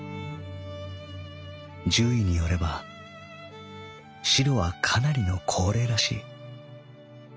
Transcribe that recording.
獣医によればしろはかなりの高齢らしい。